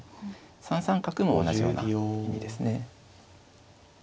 ３三角も同じような意味ですね。